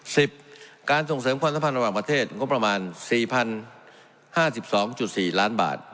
สีบการส่งเสริมความต้มพันธ์ระหว่างประเทศก็ประมาณ๔๐๕๒๔ล้านบาท